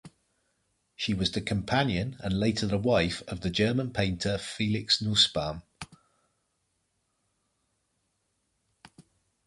She was the companion and later the wife of the German painter Felix Nussbaum.